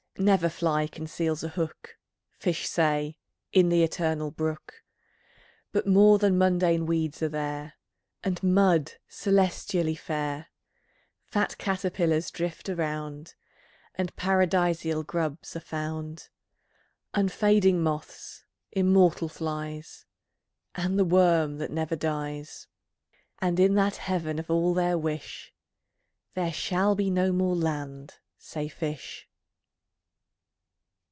never fly conceals a hook, Fish say, in the Eternal Brook, But more than mundane weeds are there, And mud, celestially fair; Fat caterpillars drift around, And Paradisal grubs are found; Unfading moths, immortal flies, And the worm that never dies. And in that Heaven of all their wish, There shall be no more land, say fish.